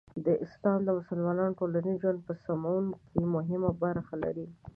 اسلام د مسلمانانو د ټولنیز ژوند په سمون کې مهمه برخه لري.